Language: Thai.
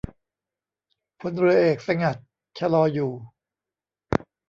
พลเรือเอกสงัด ชลออยู่